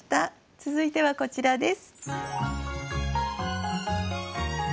続いてはこちらです。